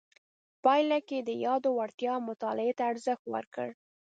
پایله کې یې د یادو وړتیاو مطالعې ته ارزښت ورکړ.